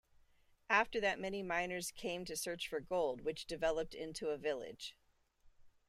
After that many miners came to search for gold which developed into a village.